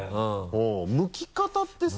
剥き方ってさ。